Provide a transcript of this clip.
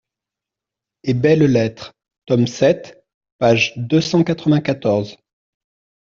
et belles-lettres, tome sept, page deux cent quatre-vingt-quatorze).